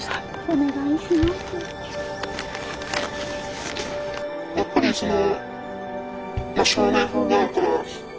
お願いします。